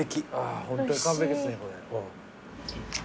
ホントに完璧ですねこれ。